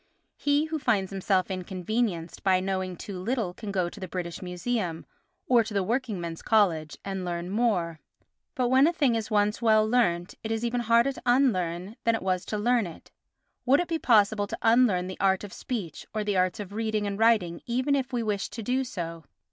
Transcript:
He who finds himself inconvenienced by knowing too little can go to the British Museum, or to the Working Men's College, and learn more; but when a thing is once well learnt it is even harder to unlearn it than it was to learn it. Would it be possible to unlearn the art of speech or the arts of reading and writing even if we wished to do so?